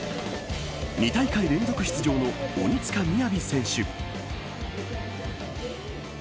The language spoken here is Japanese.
２大会連続出場の鬼塚雅選手。